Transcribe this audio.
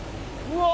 うわ！